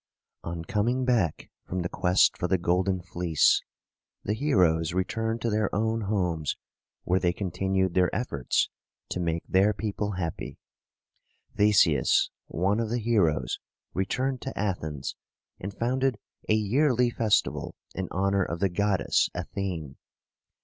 On coming back from the quest for the Golden Fleece, the heroes returned to their own homes, where they continued their efforts to make their people happy. The´seus, one of the heroes, returned to Athens, and founded a yearly festival in honor of the goddess Athene.